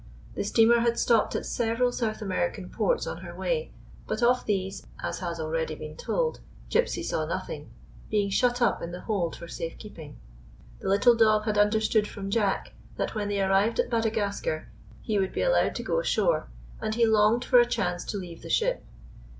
The steamer had stopped at several South American ports on her way, but of these, as has already been told, Gypsy saw nothing, being shut up in the hold for safe keeping. The little dog had understood from Jack that 147 GYPSY, THE TALKING DOG wlien they arrived at Madagascar lie would be allowed to go ashore, and he longed for a chance to leave the ship.